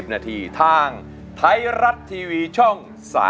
นาทีทางไทยรัฐทีวีช่อง๓๒